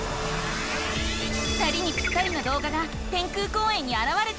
２人にぴったりのどうがが天空公園にあらわれた。